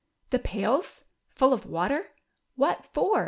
" The pails — full of water — what for